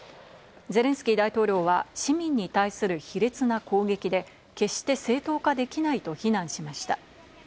ゼレンスキー大統領は、市民に対する卑劣な攻撃で、決して正当化できないと非難しました。